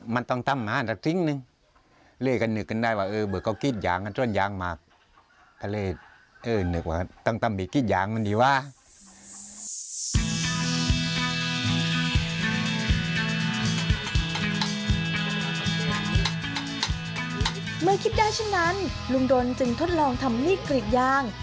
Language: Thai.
เมื่อคิดได้เช่นนั้นลุงดนจึงทดลองทำมีดกรีดยาง